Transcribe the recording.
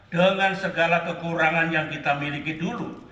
dengan segala kekurangan yang kita miliki dulu